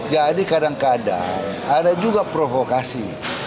jadi kadang kadang ada juga provokasi